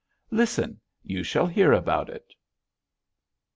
Listen! You shall hear all about it."